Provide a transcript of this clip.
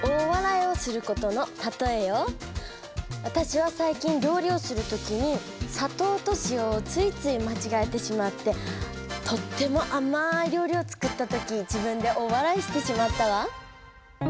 わたしは最近料理をする時にさとうとしおをついついまちがえてしまってとってもあまいりょうりを作った時自分で大わらいしてしまったわ。